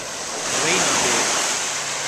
Reyna bê.